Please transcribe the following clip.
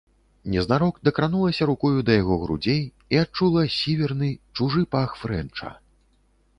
Незнарок дакранулася рукою да яго грудзей і адчула сіверны, чужы пах фрэнча.